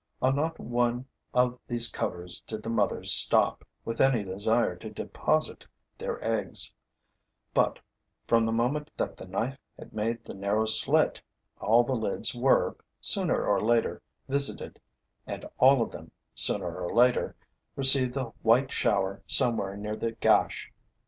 On not one of these covers did the mothers stop, with any desire to deposit their eggs; but, from the moment that the knife had made the narrow slit, all the lids were, sooner or later, visited and all of them, sooner or later, received the white shower somewhere near the gash.